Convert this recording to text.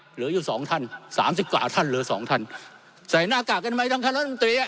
เหลืออยู่สองท่านสามสิบกว่าท่านเหลือสองท่านใส่หน้ากากกันใหม่ทั้งท่านรัฐมนตรีอ่ะ